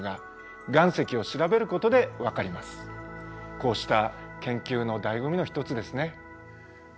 こうした研究のだいご味の一つですね。